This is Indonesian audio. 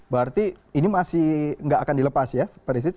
berarti ini masih tidak akan dilepas ya perisic